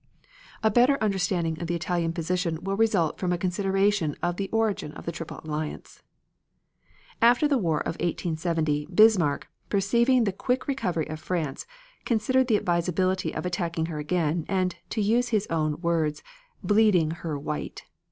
A better understanding of the Italian position will result from a consideration of the origin of the Triple Alliance. After the war of 1870, Bismarck, perceiving the quick recovery of France, considered the advisability of attacking her again, and, to use his own words, "bleeding her white."